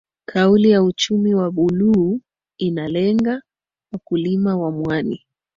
Kauli ya uchumi wa buluu inalenga wakulima wa mwani